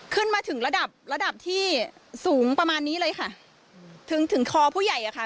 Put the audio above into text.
ขึ้นมาถึงระดับระดับที่สูงประมาณนี้เลยค่ะถึงถึงคอผู้ใหญ่อะค่ะ